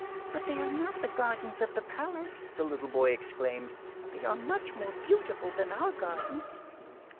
"But they were not the gardens of the palace!" the little boy exclaimed. "They were much more beautiful than our gardens."